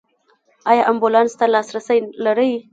ایا امبولانس ته لاسرسی لرئ؟